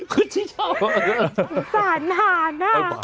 สงสารหาญอ่ะ